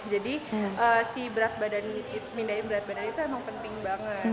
jadi si berat badan pindahin berat badan itu emang penting banget